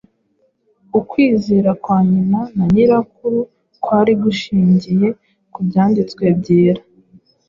Ukwizera kwa nyina na nyirakuru kwari gushingiye ku byanditswe byera,